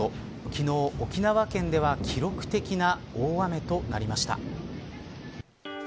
昨日沖縄県では記録的な大雨となりました。